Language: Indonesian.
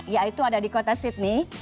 yaitu ada di kota sydney